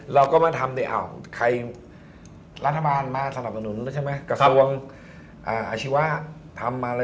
ขาวลาธบาลมาสำนับสนุนใช่ไหมกระทรวงอชิวาฯ